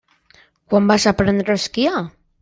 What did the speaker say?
Quan vas aprendre a esquiar?